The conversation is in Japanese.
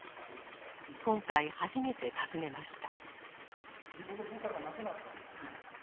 今回初めて訪ねました。